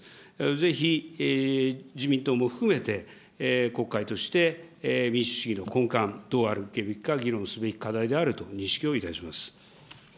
ぜひ自民党も含めて、国会として民主主義の根幹、どうあるべきか議論すべき課題であると認識をいたします。